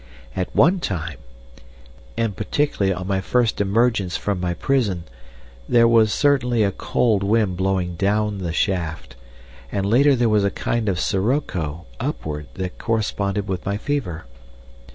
At one time, and particularly on my first emergence from my prison, there was certainly a cold wind blowing down the shaft, and later there was a kind of sirocco upward that corresponded with my fever.